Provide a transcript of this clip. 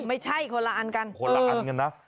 ไม่ใช่คนละอันกัน